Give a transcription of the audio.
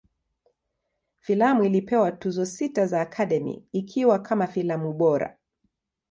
Filamu ilipewa Tuzo sita za Academy, ikiwa kama filamu bora.